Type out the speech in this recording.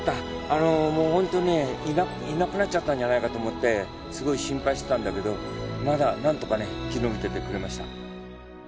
あのもうほんとにねいなくなっちゃったんじゃないかと思ってすごい心配してたんだけどまだなんとかね生き延びててくれました。